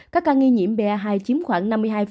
các ca nghi nhiễm ba hai chiếm khoảng năm mươi hai